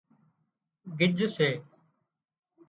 گج سي